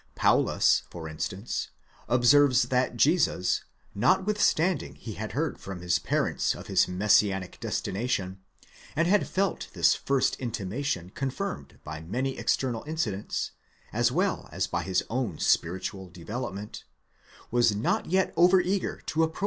Paulus, for instance, observes that Jesus, notwithstanding he had heard from his parents of his messianic destination, and had felt this first intimation confirmed by many external incidents, as well as by his own spiritual development, was yet not over eager to appro ' Dial.